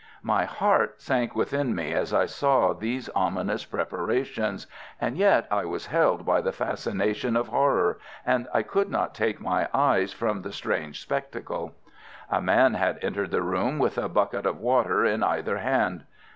My heart sank within me as I saw these ominous preparations, and yet I was held by the fascination of horror, and I could not take my eyes from the strange spectacle. A man had entered the room with a bucket of water in either hand.